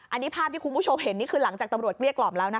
อันนี้ภาพที่คุณผู้ชมเห็นนี่คือหลังจากตำรวจเกลี้ยกล่อมแล้วนะคะ